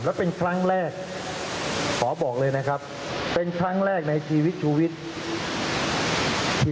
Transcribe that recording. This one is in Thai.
แล้วเป็นครั้งแรกขอบอกเลยนะครับเป็นครั้งแรกในชีวิตชุวิต